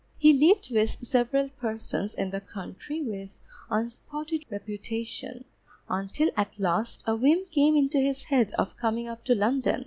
He lived with several persons in the country with unspotted reputation, until at last a whim came into his head of coming up to London.